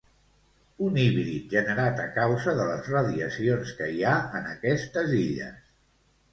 Un híbrid generat a causa de les radiacions que hi ha en aquestes illes.